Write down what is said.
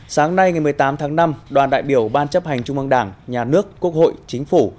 sáng nay ngày một mươi tám tháng năm đoàn đại biểu ban chấp hành trung mương đảng nhà nước quốc hội chính phủ